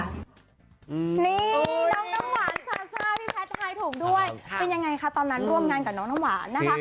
นี่น้องน้ำหวานซาซ่าพี่แพทย์ทายถูกด้วยเป็นยังไงคะตอนนั้นร่วมงานกับน้องน้ำหวานนะคะ